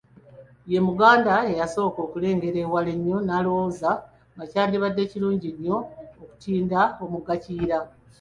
Ye Muganda eyasooka okulengera ewala ennyo n'alowooza nga kyandibadde kirungi nnyo okutinda omugga Kiyira.